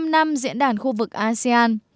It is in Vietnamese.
hai mươi năm năm diễn đàn khu vực asean